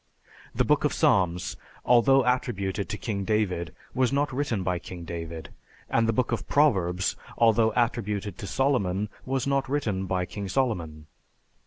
The Book of Psalms, although attributed to King David, was not written by King David; and the Book of Proverbs, although attributed to Solomon, was not written by King Solomon.